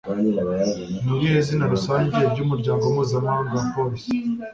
Ni irihe zina rusange ry’umuryango mpuzamahanga wa polisi?